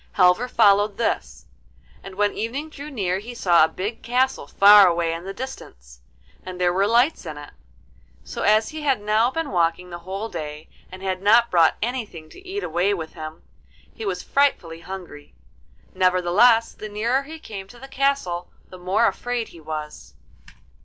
Halvor followed this, and when evening drew near he saw a big castle far away in the distance, and there were lights in it. So as he had now been walking the whole day and had not brought anything to eat away with him, he was frightfully hungry. Nevertheless, the nearer he came to the castle the more afraid he was.